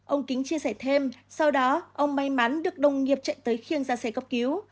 ông kính chia sẻ thêm sau đó ông may mắn được đồng nghiệp chạy tới khiêng ra xe cấp cứu